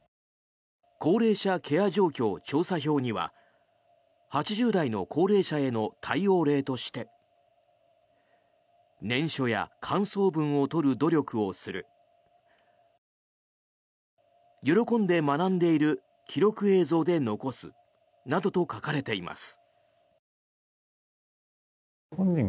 高齢者ケア状況調査票には８０代の高齢者への対応例として念書や感想文を取る努力をする喜んで学んでいる記録映像で残すなどと書かれています。